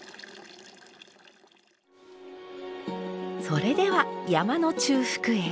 それでは山の中腹へ。